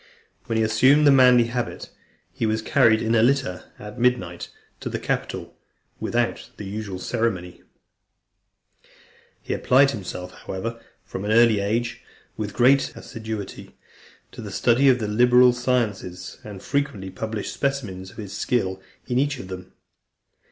When he assumed the manly habit, he was carried in a litter, at midnight, to the Capitol, without the usual ceremony. III. He applied himself, however, from an early age, with great assiduity to the study of the liberal sciences, and frequently published specimens of his skill in each of them.